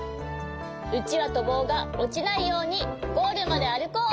うちわとぼうがおちないようにゴールまであるこう！